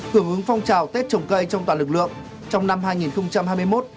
hưởng ứng phong trào tết trồng cây trong toàn lực lượng trong năm hai nghìn hai mươi một